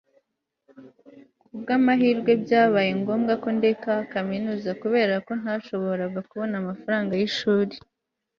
Kubwamahirwe byabaye ngombwa ko ndeka kaminuza kubera ko ntashoboraga kubona amafaranga yishuri